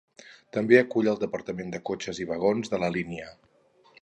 També acull el Departament de cotxes i vagons de la línia.